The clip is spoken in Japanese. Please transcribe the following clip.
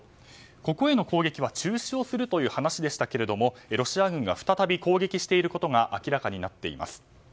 ここへの攻撃は中止をするという話でしたけれどもロシア軍が再び攻撃していることが明らかになっています。